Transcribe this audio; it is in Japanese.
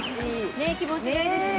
ねっ気持ちがいいですね。